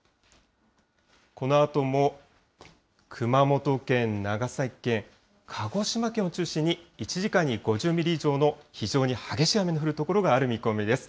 このあとも熊本県、長崎県、鹿児島県を中心に、１時間に５０ミリ以上の非常に激しい雨の降る所がある見込みです。